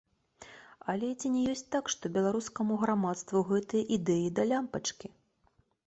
Але ці не ёсць так, што беларускаму грамадству гэтыя ідэі да лямпачкі.